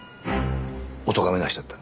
おとがめなしだった？